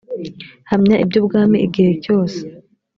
hamya iby’ ubwami igihe cyose